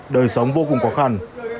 đời sống vô cùng khó khăn